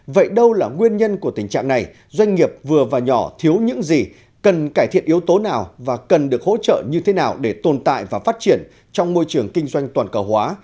vậy đâu là nguyên nhân của tình trạng này doanh nghiệp vừa và nhỏ thiếu những gì cần cải thiện yếu tố nào và cần được hỗ trợ như thế nào để tồn tại và phát triển trong môi trường kinh doanh toàn cầu hóa